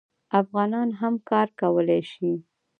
افغانان هم کار کولی شي.